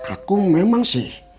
akum memang sih